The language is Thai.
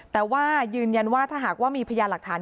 แต่ว่ายืนยันว่าถ้าหากว่ามีพยานหลักฐาน